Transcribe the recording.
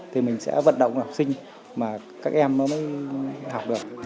thì mình sẽ vận động học sinh mà các em nó mới học được